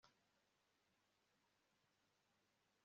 kazitunga yavugije hejuru yumvise ko Mariya yasohokanye na Yohana